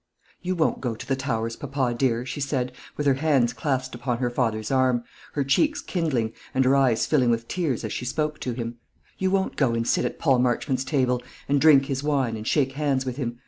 "You won't go to the Towers, papa dear?" she said, with her hands clasped upon her father's arm, her cheeks kindling, and her eyes filling with tears as she spoke to him; "you won't go and sit at Paul Marchmont's table, and drink his wine, and shake hands with him?